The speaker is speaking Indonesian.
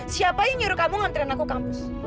siapa yang nyuruh kamu nganterin aku ke kampus